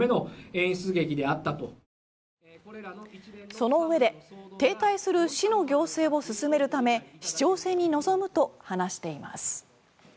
そのうえで停滞する市の行政を進めるため市長選に臨むと話しています。